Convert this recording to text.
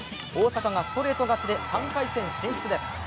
大坂がストレート勝ちで３回戦進出です。